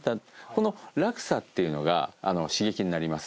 この落差っていうのが刺激になります。